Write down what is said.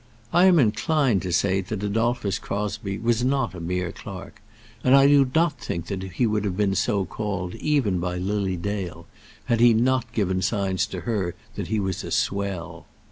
I am inclined to say that Adolphus Crosbie was not a mere clerk; and I do not think that he would have been so called, even by Lily Dale, had he not given signs to her that he was a "swell."